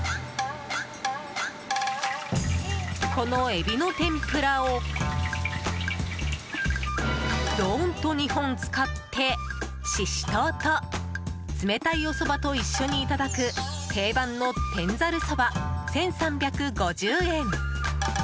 このエビの天ぷらをドーンと２本使ってシシトウと冷たいおそばと一緒にいただく定番の天ざるそば、１３５０円。